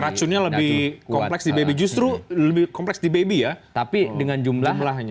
racunnya lebih kompleks di baby justru lebih kompleks di baby ya tapi dengan jumlahnya